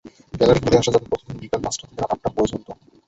Gallery ঘুরে আসা যাবে প্রতিদিন বিকেল পাঁচটা থেকে রাত আটটা পর্যন্ত।